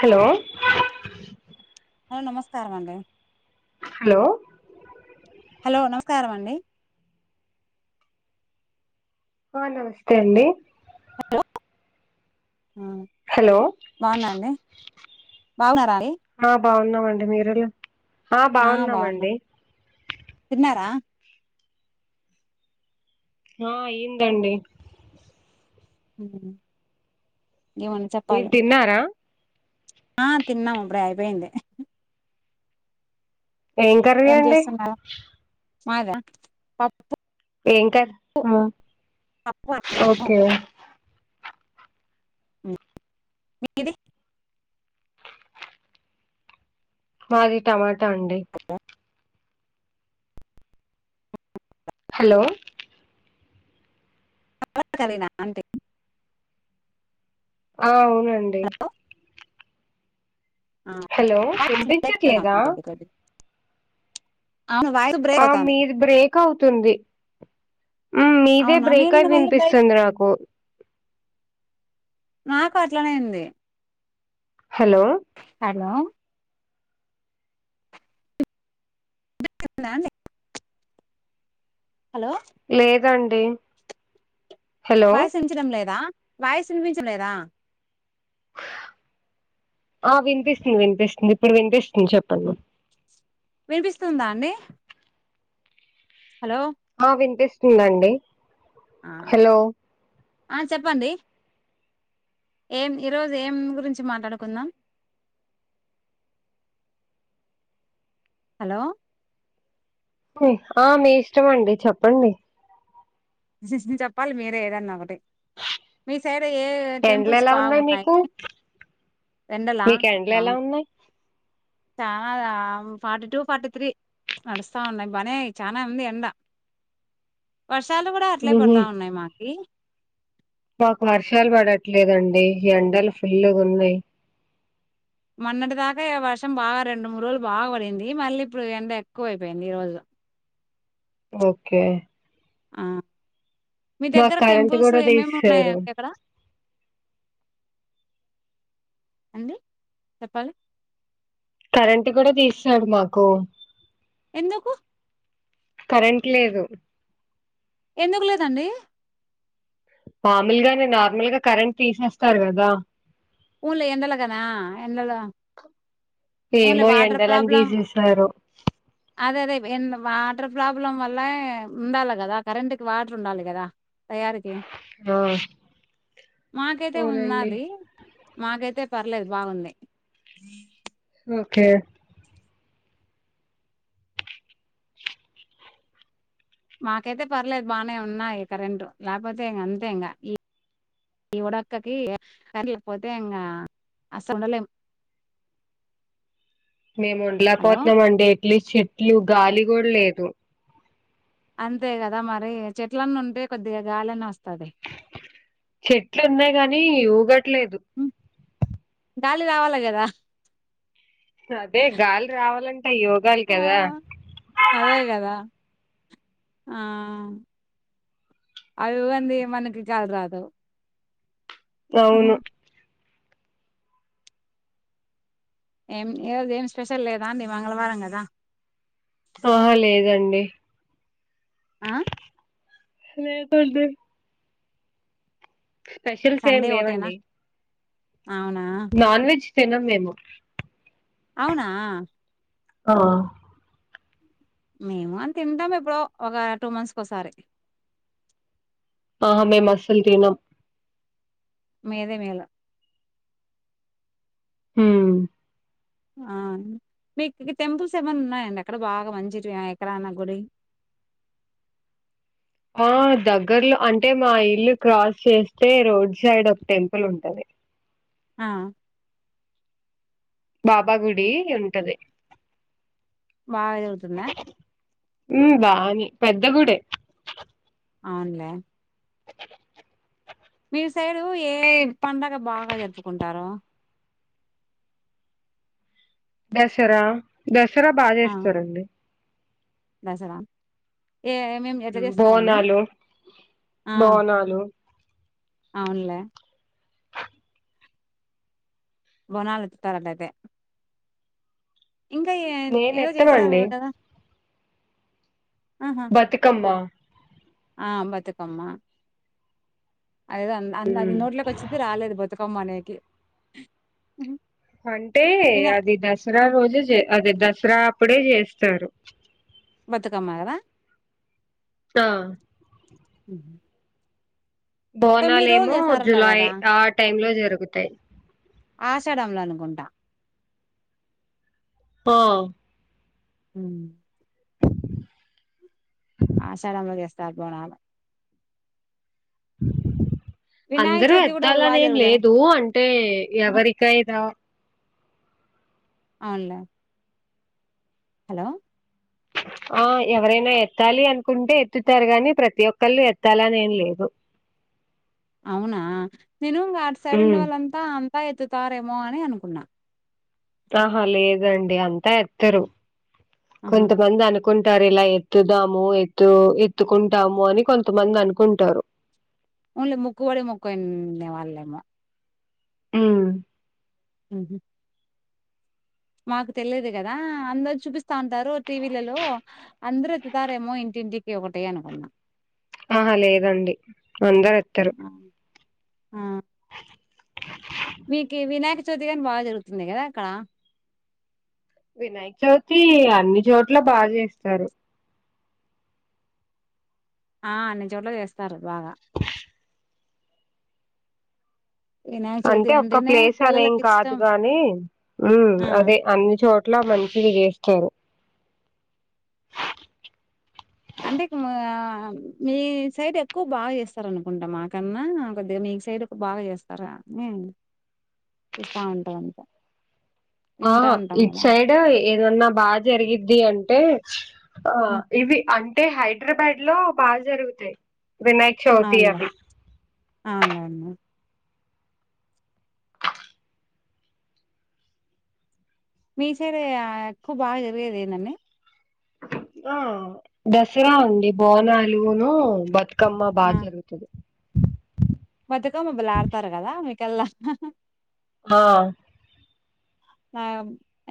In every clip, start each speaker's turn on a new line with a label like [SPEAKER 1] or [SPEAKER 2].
[SPEAKER 1] Hello
[SPEAKER 2] ఆ నమస్కారం అండి
[SPEAKER 1] హలో
[SPEAKER 2] ఆ నమస్కారం అండి
[SPEAKER 1] ఆ నమస్తే అండి
[SPEAKER 2] ఆ
[SPEAKER 1] హలో
[SPEAKER 2] బాగున్నా అండి బాగున్నారా అండి
[SPEAKER 1] ఆ బాగున్నామండి మీరు ఎలా ఆ బాగున్నామండి
[SPEAKER 2] తిన్నారా
[SPEAKER 1] ఆ ఏందాండి
[SPEAKER 2] అవున
[SPEAKER 1] మీరు తిన్నారా
[SPEAKER 2] ఆ తిన్నాము అప్పుడే అయిపోయింది
[SPEAKER 1] ఏం కర్రీ అండి
[SPEAKER 2] మాదా పప్
[SPEAKER 1] ఏం కర్ మో
[SPEAKER 2] పప్పు అన్నము
[SPEAKER 1] ఓకే
[SPEAKER 2] మీది
[SPEAKER 1] మాది టమాటా అండి హలో
[SPEAKER 2] [unintelligible] అంతే
[SPEAKER 1] ఆ అవునండి హలో
[SPEAKER 2] వాయిస్ బ్రేక్
[SPEAKER 1] వినిపించట్లేదా
[SPEAKER 2] అయితాంది కొద్ది కొద్దిగా అవును వాయిస్ బ్రేక్
[SPEAKER 1] ఆ
[SPEAKER 2] అవుతాంది
[SPEAKER 1] మీది బ్రేక్ అవుత్ తుంది ఉ మీదే
[SPEAKER 2] అవునా
[SPEAKER 1] బ్రేక్
[SPEAKER 2] నేను
[SPEAKER 1] అయి
[SPEAKER 2] మళ్ళీ బయట
[SPEAKER 1] వినిపిస్తుంది నాకు
[SPEAKER 2] నాకు అట్లనేైంది
[SPEAKER 1] హలో
[SPEAKER 2] [unintelligible] హలో
[SPEAKER 1] లేదండి హలో
[SPEAKER 2] వయసుంచడం లేదా వాయిస్ వినిపించడం లేదా
[SPEAKER 1] ఆ ఆ వినిపిస్తుంది వినిపిస్తుంది ఇప్పుడు వినిపిస్తుంది చెప్పండి
[SPEAKER 2] వినిపిస్తుందా అండి హలో
[SPEAKER 1] ఆ వినిపిస్తుందండి
[SPEAKER 2] ఆ
[SPEAKER 1] హలో
[SPEAKER 2] ఆ చెప్పండి ఏం ఈరోజు ఏం గురించి మాట్లాడుకుందాం హలో
[SPEAKER 1] ఆ మీ ఇష్టమండి చెప్పండి
[SPEAKER 2] సిస్కి చెప్పాలి మీరే ఏదన్న ఒకటి మీ సైడ్ ఏ
[SPEAKER 1] ఎండ్లు
[SPEAKER 2] టెంపుల్స్
[SPEAKER 1] ఎలా ఉన్నాయి
[SPEAKER 2] బాగున్నాయి
[SPEAKER 1] మీకు
[SPEAKER 2] ఎండలా
[SPEAKER 1] మీకు ఎండ్లు
[SPEAKER 2] రం
[SPEAKER 1] ఎలా ఉన్నాయి
[SPEAKER 2] చాలానే ఆ ఫార్టీ టూ ఫార్టీ త్రీ నడుస్తా ఉన్నాయి బనే చాలానే ఉంది ఎండ వర్షాలు కూడా అట్లే
[SPEAKER 1] ఉహు
[SPEAKER 2] పడతా ఉన్నాయి మాకి
[SPEAKER 1] మాకు వర్షాలు పడట్లేదండి ఎండలు ఫుల్గా ఉన్నాయి
[SPEAKER 2] మొన్నటి దాకా ఇగ వర్షం బాగా రెండు మూడు రోజులు బాగా పడింది మళ్ళీ ఇప్పుడు ఎంత ఎక్కువైపోయింది ఈ రోజు
[SPEAKER 1] ఓకే
[SPEAKER 2] ఆ మీ
[SPEAKER 1] మాకు
[SPEAKER 2] దగ్గర
[SPEAKER 1] కరెంట్
[SPEAKER 2] టెంపుల్స్
[SPEAKER 1] కూడా
[SPEAKER 2] ఏమేమి
[SPEAKER 1] తీసేసారు
[SPEAKER 2] ఉన్నాయంండి అక్కడ అండి చెప్పాలి
[SPEAKER 1] కరెంట్ కూడా తీసేస్తాడు మాకు
[SPEAKER 2] ఎందుకు
[SPEAKER 1] కరెంట్ లేదు
[SPEAKER 2] ఎందుకు లేదండి
[SPEAKER 1] మామూలుగానే నార్మల్గా కరెంట్ తీసేస్తారు కదా
[SPEAKER 2] ఊర్లో ఎండలకనా ఎండలో ఊన్లే
[SPEAKER 1] ఏమో
[SPEAKER 2] వాటర్
[SPEAKER 1] ఎండలని
[SPEAKER 2] ప్రాబ్లం
[SPEAKER 1] తీసేసారో
[SPEAKER 2] అదే అదే ఎ వాటర్ ప్రాబ్లం వల్ల ఉండాలి కదా కరెంటు కి వాటర్ ఉండాలి కదా తయారికి
[SPEAKER 1] ఆ
[SPEAKER 2] మాకైతే
[SPEAKER 1] అవునండి
[SPEAKER 2] ఉన్నది మాకైతే పర్లేదు బాగుంది
[SPEAKER 1] ఓకే
[SPEAKER 2] మాకైతే పర్లేదు బాగానే ఉన్నాయి కరెంటు లేకపోతే ఇంగ అంతే ఇంగా ఈ ఈ ఉడక్కకి కరెంట్ లేకపోతే ఇంగా అసలు ఉండలేము
[SPEAKER 1] అ మేము
[SPEAKER 2] హలో
[SPEAKER 1] ఉండలేకపోతున్నామండి ఎట్లీస్ట్ చెట్లు గాలి కూడా లేదు
[SPEAKER 2] అంతే కదా మరి చెట్లన్న ఉంటే కొద్దిగా గాలన్నీ వస్తాది
[SPEAKER 1] చెట్లు ఉన్నాయి కాని ఊగట్లేదు
[SPEAKER 2] గాలి రావాలా కదా
[SPEAKER 1] అదే గాలి రావాలంటే అయి ఉగాలి
[SPEAKER 2] ఆ
[SPEAKER 1] కదా
[SPEAKER 2] అదే కదా ఆ అవి ఉగాంది మనకి గాలి రాదు ఆహా.
[SPEAKER 1] అవును
[SPEAKER 2] ఏం ఈరోజు ఏం స్పెషల్ లేదా మంగళవారంగదా
[SPEAKER 1] ఆహ లేదండి
[SPEAKER 2] ఆ
[SPEAKER 1] లేదండి స్పెషల్స్ ఏం
[SPEAKER 2] సండే ఒకటేనా
[SPEAKER 1] లేవండి
[SPEAKER 2] అవునా
[SPEAKER 1] నాన్ వెజ్ తినం మేము
[SPEAKER 2] అవునా
[SPEAKER 1] ఆ
[SPEAKER 2] మేము ఆ తింటాము ఎప్పుడ ఒక టూ మంత్స్ కి ఓసారి
[SPEAKER 1] ఆహ మెమస్సలు తినం
[SPEAKER 2] మిదే మేల
[SPEAKER 1] హ్మ్
[SPEAKER 2] ఆ మీకు టెంపుల్స్ ఏమన్నా ఉన్నాయండి అక్కడ బాగా మంచివి ఎక్కడన్నా గుడి
[SPEAKER 1] ఆ దగ్గర్లో అంటే మా ఇల్లు క్రాస్ చేస్తే రోడ్ సైడ్ ఒక టెంపుల్ ఉంటది.
[SPEAKER 2] ఆ
[SPEAKER 1] బాబా గుడి ఉంటది
[SPEAKER 2] బాగా జరుగుతుందా
[SPEAKER 1] హ్మ్ బానే పెద్ద గుడే
[SPEAKER 2] అవునులే మీ సైడు ఎం పండగ బాగా ఎత్తుకుంటారో
[SPEAKER 1] దసరా దసరా బాగా
[SPEAKER 2] ఆ
[SPEAKER 1] చేస్తారండి
[SPEAKER 2] దసరా ఏ మేము ఎట్టా
[SPEAKER 1] హ్మ్.
[SPEAKER 2] చేస్తారాండి
[SPEAKER 1] బోనాలు
[SPEAKER 2] ఆ
[SPEAKER 1] బోనాలు
[SPEAKER 2] అవునులే బోనాలు ఎత్తుతారట్లయితే ఇంకా ఎద్
[SPEAKER 1] మేం
[SPEAKER 2] ఏదో చేస్తారు
[SPEAKER 1] ఎత్తమండి
[SPEAKER 2] కదా ఆహా
[SPEAKER 1] బతుకమ్మా
[SPEAKER 2] ఆ బతుకమ్మా అదేదో అ అది
[SPEAKER 1] హ్మ్
[SPEAKER 2] నోట్లకి వచ్చింది రాలేదు బతుకమ్మ అనేకి
[SPEAKER 1] అంటే
[SPEAKER 2] వినా
[SPEAKER 1] అది దసరా రోజే జే అదే దసరా అప్పుడే చేస్తారు
[SPEAKER 2] బతుకమ్మ గద
[SPEAKER 1] ఆ
[SPEAKER 2] హు
[SPEAKER 1] బోనాలెమో జులై
[SPEAKER 2] కదా
[SPEAKER 1] ఆ టైం లో జరుగుతాయి
[SPEAKER 2] ఆశడంల అనుకుంటా
[SPEAKER 1] ఆ
[SPEAKER 2] హమ్ ఆషాడంలో చేస్తారు బోనాలు వినాయక
[SPEAKER 1] అందరూ
[SPEAKER 2] చవితి కూడా బాగా
[SPEAKER 1] ఎత్తలనేం
[SPEAKER 2] జరుగుతారు
[SPEAKER 1] లేదు అంటే ఎవరికైన
[SPEAKER 2] అవునులే హలో
[SPEAKER 1] ఆ ఎవరైనా ఎత్తాలి అనుకుంటే ఎత్తుతారు గాని ప్రతి ఒక్కళ్ళు ఎత్తాలనేం లేదు
[SPEAKER 2] అవునా తిను అటి సైడ్
[SPEAKER 1] ఉమ్
[SPEAKER 2] ఉండేవాళ్ళంతా అంతా ఎత్తుతారేమో అని అనుకున్నా
[SPEAKER 1] ఆహా లేదండి అంతా ఎత్తరు
[SPEAKER 2] ఆహా
[SPEAKER 1] కొంతమంది అను అనుకుంటారు ఇలా ఎత్తుదాము ఎత్తు ఎత్తుకుంటాము అని కొంతమంది అనుకుంటారు
[SPEAKER 2] ఓన్లీ ముక్కువడి ముక్కువల్లేమో
[SPEAKER 1] ఆ
[SPEAKER 2] ఉహు మాకు తెలిదు కదా అందరు చూపిస్తా ఉంటారు టీవీలలో అందరుూ ఎతుతారేమో ఇంటి ఇంటికి ఒకటి అనుకున్నా
[SPEAKER 1] ఆహా లేదండి అందరు ఎత్తరు
[SPEAKER 2] ఆ ఆ మీకు వినాయక చవితి కానీ బాగా జరుగుతుంది కదా అక్కడ
[SPEAKER 1] వినాయక్ చవితి అన్ని చోట్ల బాగా చేస్తారు
[SPEAKER 2] ఆ అన్ని చోట్ల చేస్తారు బాగా వినాయక చవితి
[SPEAKER 1] అంటే ఒక్క
[SPEAKER 2] అంటేనే
[SPEAKER 1] ప్లేస్ అనేం
[SPEAKER 2] పిల్లలకి
[SPEAKER 1] కాదు
[SPEAKER 2] ఇష్టం
[SPEAKER 1] గానీ హమ్
[SPEAKER 2] ఆ
[SPEAKER 1] అదే అన్ని చోట్ల మంచివి చేస్త చెయ్
[SPEAKER 2] అంటే మీ సైడ్ ఎక్కువ బాగా చేస్తార అనుకుంటా మాకన్నా కొద్దిగా మీ మీ సైడ్ ఒక బాగా చేస్తారా చూస్తా ఉంటాంరంత
[SPEAKER 1] ఆ ఇటు సైడ్ ఏదన్నా బాగా జరిగిద్ది అంటే ఆ ఇవి అంటే హైడ్రాబ్యాడ్ లో బాగా జరుగుతాయి వినాయక్ చౌతి
[SPEAKER 2] అవునులే
[SPEAKER 1] అవి
[SPEAKER 2] అవునులే అండి మీ సైడ ఎక్కువ బాగా జరిగేది ఎందండి
[SPEAKER 1] ఆ దసరా అండి బోనాలును బతు క్కమ్మ
[SPEAKER 2] ఆ
[SPEAKER 1] బాగా జరుగుతది
[SPEAKER 2] బతుకమ్మ బాలాడతారు కదా మీకెల్లా
[SPEAKER 1] హా
[SPEAKER 2] నా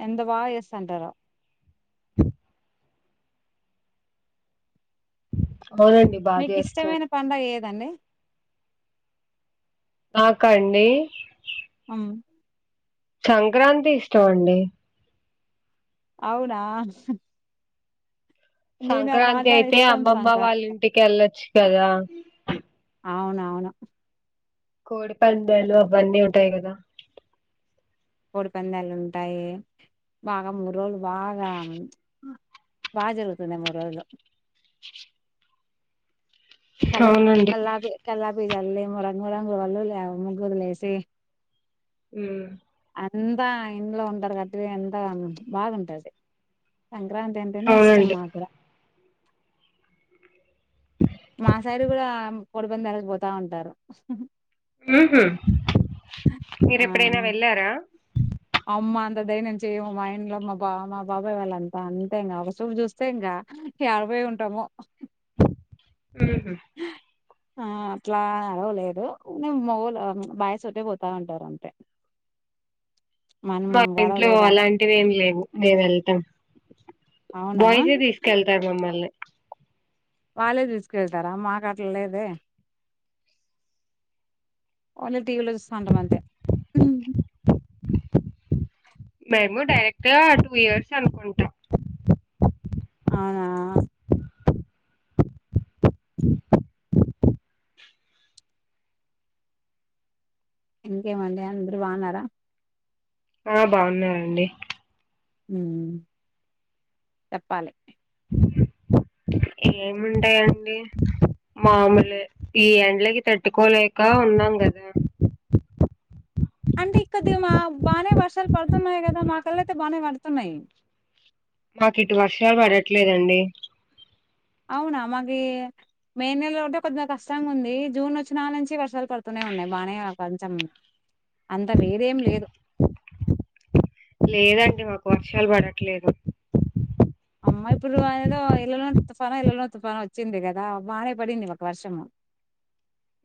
[SPEAKER 2] ఎంత బాగా చేస్తా అంటారో
[SPEAKER 1] అవునండి బాగా
[SPEAKER 2] మీకు
[SPEAKER 1] చేస్తారు
[SPEAKER 2] ఇష్టమైన పడుగ ఏదండి
[SPEAKER 1] నాకా అండి
[SPEAKER 2] అ
[SPEAKER 1] సంక్రాంతి ఇష్టం అండి
[SPEAKER 2] అవునా నేను
[SPEAKER 1] సంక్రాంతి
[SPEAKER 2] నాగాని
[SPEAKER 1] అయితే
[SPEAKER 2] ఇష్టం
[SPEAKER 1] అమ్మమ్మ
[SPEAKER 2] సంక్రాంతి
[SPEAKER 1] వాళ్ళ ఇంటికి వెళ్ళొచ్చు కదా
[SPEAKER 2] అవును అవును
[SPEAKER 1] కోడి పందాలు అవన్నీ ఉంటాయి కదా
[SPEAKER 2] కోడిపందాలు ఉంటాయి బాగా మూడు రోజులు బాగా బాగా జరుగుతుంది మూడు రోజులు కల్
[SPEAKER 1] అవునండి
[SPEAKER 2] కల్లాపి కల్లాపీజల్లి రంగు రంగుల వాళ్ళు లేవ ముగ్గులు వేసి
[SPEAKER 1] ఉమ్
[SPEAKER 2] అంతా ఇంట్లో ఉంటారు కాబట్టి ఎంతో కొంత బాధ ఉంటది సంక్రాంతి అంటేనే ఇష్టం
[SPEAKER 1] అవునండి
[SPEAKER 2] మాకు కూడా మా సైడ్ కూడా కోడిపందాలు పొతాఉంటారు
[SPEAKER 1] ఉహు మీరు ఎప్పుడైనా వెళ్లారా
[SPEAKER 2] అమ్మా అంత దైైర్యం చేయము మా ఇంట్లో మా బా మా బాబాయ్ వాళ్ళ అంతా అంతే ఇంకా ఒక చూపు చూస్తే ఇంకా రెండు పొయి ఉంటామో
[SPEAKER 1] హుమ్
[SPEAKER 2] ఆ అట్లా అరవలేదు నేను మోగొ ళ్ళు బాయస్ అయితే పోతాంటారు అంతే మనం
[SPEAKER 1] మా ఇంట్లో
[SPEAKER 2] గడవలేదు అడ
[SPEAKER 1] అలాంటివి ఏమి లేవు మేము వెళ్తాం
[SPEAKER 2] అవునా
[SPEAKER 1] బాయ్స్ ఎం తీసుకెళ్తారు మమ్మల్ని
[SPEAKER 2] వాళ్ళే తీసుకెళ్తారా మాకు అట్లా లేదే ఓన్లీ టీవీలో చూస్తా ఉంటాం అంతే
[SPEAKER 1] మేము డైరెక్ట్ గా టూ ఇయర్స్ అనుకుంటాం
[SPEAKER 2] అవునా ఇంకేమండి అందరు బాగున్నారా
[SPEAKER 1] ఆ బావున్నామండి
[SPEAKER 2] ఉమ్ చెప్పాలి
[SPEAKER 1] ఏమిఉంటాయండి మామూలే ఈ ఎండ్లకి తట్టుకోలేక ఉన్నాం కదా
[SPEAKER 2] అంటే ఇ కొద్ది మా బాగానే వర్షాలు పడుతున్నాయి కదా మా కల్ల అయితే బానే పడతున్నాయి
[SPEAKER 1] మాకు ఇటు వర్షాలు పడట్లేదండి
[SPEAKER 2] అవునా మాకి మే నెలలో ఉంటే కొద్దిగా కష్టంగా ఉంది జూన్ వచ్చిన నా నుంచి కొద్దిగా వర్షాలు పడుతున్నాయి ఉన్నాయి బాగానే కొంచెం అంత వేరేం లేదు
[SPEAKER 1] లేదండి మాకు వర్షాలు పడట్లేదు
[SPEAKER 2] అమ్మా ఇప్పుడుఅదిఎదో ఇళ్లలో తుఫాను ఇళ్ళన తుఫాన వచ్చింది కదా బానే పడింది మాకు వర్షము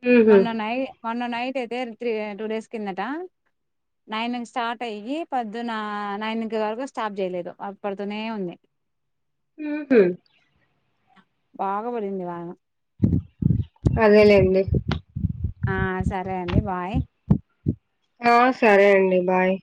[SPEAKER 1] హుహు.
[SPEAKER 2] మొన్న నైట్ మొన్న నైట్ అయితే త్రీ టూ డేస్ కిందట నైన్కి స్టార్ట్ అయ్యి పొద్దున నైన్ ధర్టీ వరకు స్టాప్ చేయలేదు పడుతూనె ఉంది
[SPEAKER 1] ఉమ్
[SPEAKER 2] బాగాబడింది వాన
[SPEAKER 1] అదేలేండి
[SPEAKER 2] ఆ సరే అండి బాయ్
[SPEAKER 1] ఆ సరే అండి బాయ్